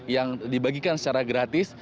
yang dibagikan secara gratis